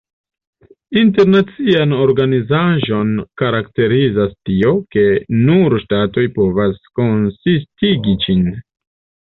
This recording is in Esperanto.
Internacian organizaĵon karakterizas tio, ke "nur ŝtatoj povas konsistigi ĝin".